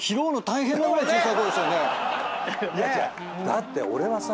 だって俺はさ。